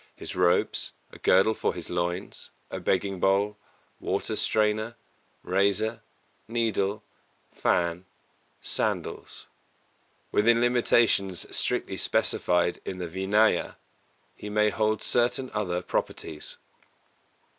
_, his robes, a girdle for his loins, a begging bowl, water strainer, razor, needle, fan, sandals. Within limitations strictly specified in the Vināya, he may hold certain other properties.